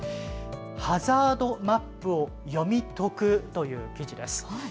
ハザードマップを読み解くという記事です。